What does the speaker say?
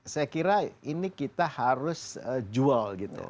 saya kira ini kita harus jual gitu